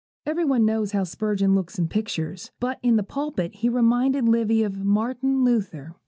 Every one knows how Spurgeon looks in pictures, but in the pulpit he reminded Livy of Martin Luther.